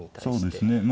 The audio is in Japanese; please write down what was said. そうですね。